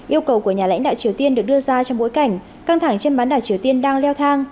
yêu cầu của nhà lãnh đạo triều tiên được đưa ra trong bối cảnh căng thẳng trên bán đảo triều tiên đang leo thang